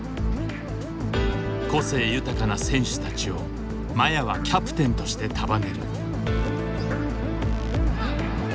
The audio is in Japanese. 個性豊かな選手たちを麻也はキャプテンとして束ねる。